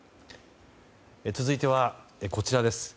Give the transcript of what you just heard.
続いては、こちらです。